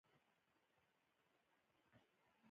زده کړه د نجونو د څیړنې مهارتونه لوړوي.